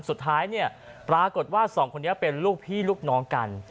สุดท้ายเนี่ยปรากฏว่าสองคนนี้เป็นลูกพี่ลูกน้องกัน